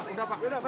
sudah pak sudah pak